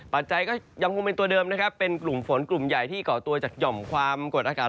ปัจจัยก็ยังคงเป็นตัวเดิมนะครับเป็นกลุ่มฝนกลุ่มใหญ่ที่ก่อตัวจากหย่อมความกดอากาศ